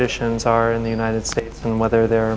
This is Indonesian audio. ini bagaimana pengkulangan dari muhammad